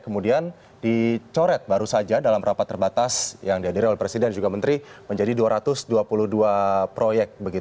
kemudian dicoret baru saja dalam rapat terbatas yang dihadiri oleh presiden juga menteri menjadi dua ratus dua puluh dua proyek